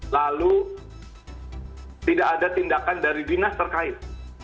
lalu tidak ada tindakan dari dinas terkait